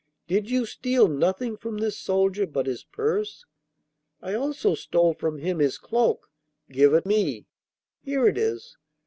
Did you steal nothing from this soldier but his purse?' 'I also stole from him his cloak.' 'Give it me.' 'Here it is.